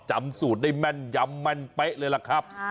จำสูตรได้แม่นย้ำแม่นเป๊ะเลยล่ะครับ